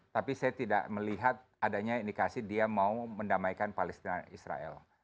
tapi saya tidak melihat adanya indikasi dia mau mendamaikan palestina dan israel